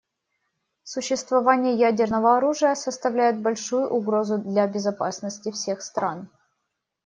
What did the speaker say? Существование ядерного оружия составляет большую угрозу для безопасности всех стран.